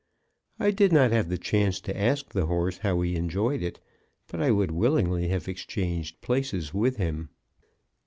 I did not have the chance to ask the horse how he enjoyed it, but I would willingly have exchanged places with him.